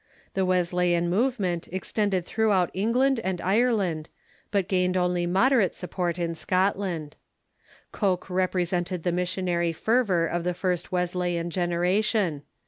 The Wesleyan movement extended through out England and Ireland, but gained only moderate support in Scotland. Coke represented the missionary fervor of the first Wesleyan generation.